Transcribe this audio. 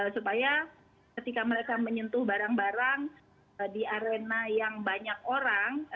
supaya ketika mereka menyentuh barang barang di arena yang banyak orang